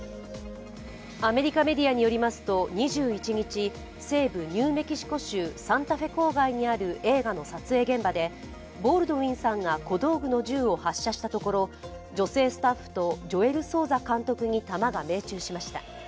アメリカメディアによりますと２１日、西部ニューメキシコ州サンタフェ郊外にある映画の撮影現場でボールドウィンさんが小道具の銃を発射したところ女性スタッフとジョエル・ソウザ監督に弾が命中しました。